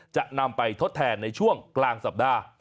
จะนำไปทดแทนในช่วงกลางสัปดาห์